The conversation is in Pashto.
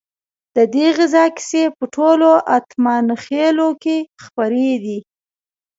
ددې غزا کیسې په ټولو اتمانخيلو کې خپرې دي.